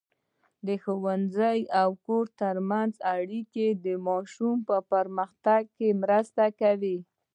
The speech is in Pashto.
د ښوونځي او کور ترمنځ اړیکه د ماشوم په پرمختګ کې مرسته کوي.